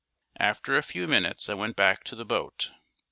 "After a few minutes I went back to the boat.